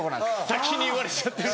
先に言われちゃってる。